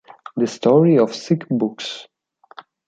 The Story of Sick Books".